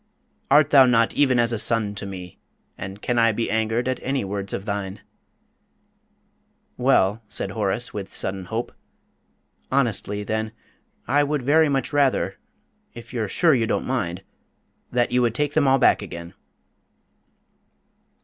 "Art thou not even as a son to me, and can I be angered at any words of thine?" "Well," said Horace, with sudden hope, "honestly, then, I would very much rather if you're sure you don't mind that you would take them all back again."